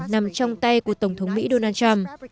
nằm trong tay của tổng thống mỹ donald trump